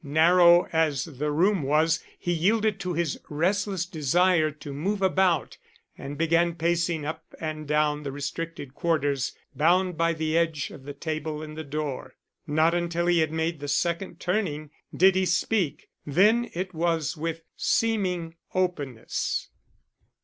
Narrow as the room was, he yielded to his restless desire to move about and began pacing up and down the restricted quarters bounded by the edge of the table and the door. Not until he had made the second turning did he speak; then it was with seeming openness.